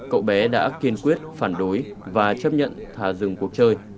cậu bé đã kiên quyết phản đối và chấp nhận thả rừng cuộc chơi